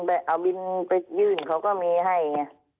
เขาเอาบินไปยื่นเขาก็มีให้อย่างนี้